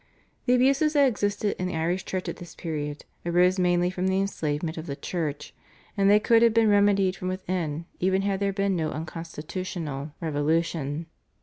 The abuses that existed in the Irish Church at this period arose mainly from the enslavement of the Church, and they could have been remedied from within even had there been no unconstitutional revolution.